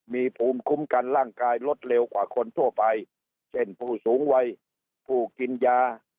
มีภูมิคุ้มกันร่างกายลดเร็วกว่าคนทั่วไปเช่นผู้สูงวัยผู้กินยา